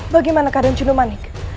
bagaimana keadaan cunumanik